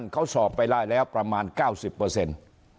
เขาสอบไปได้แล้วประมาณ๙๐เปอร์เซ็นต์